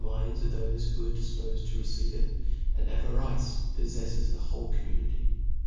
3. minds of thofe who ^re difpofed to receive ir,^ and avarice polTeffes the whole community.